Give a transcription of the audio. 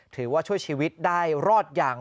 ถือว่าช่วยชีวิตได้รอดอย่าง